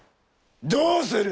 どうする？